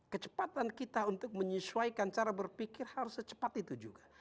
kecepatan kita untuk menyesuaikan cara berpikir harus secepat itu juga